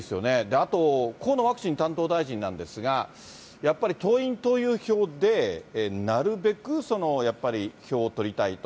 あと、河野ワクチン担当大臣なんですが、やっぱり党員党友票でなるべくやっぱり票を取りたいと。